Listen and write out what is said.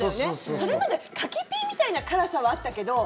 それまで柿ピーみたいな辛さはあったけど。